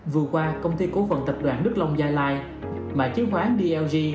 vừa qua công ty cố phận tập đoàn đức long gia lai mà chiếm khoán dlg